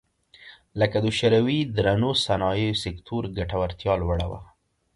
لکه د شوروي درنو صنایعو سکتور ګټورتیا لوړه وه